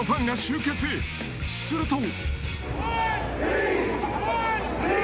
［すると］